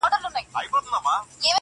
o ګټه نسي کړلای دا دي بهانه ده,